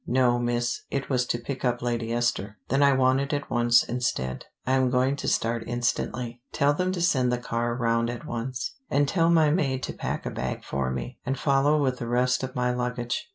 "No, Miss: it was to pick up Lady Esther " "Then I want it at once, instead. I am going to start instantly. Tell them to send the car round at once. And tell my maid to pack a bag for me, and follow with the rest of my luggage."